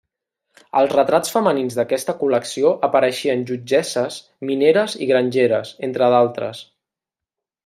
Als retrats femenins d'aquesta col·lecció apareixien jutgesses, mineres i grangeres, entre d'altres.